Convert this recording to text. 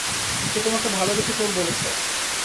সে তোমাকে ভালোবেসে চোর বলেছে।